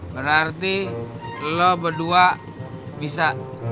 berarti lo berdua bisa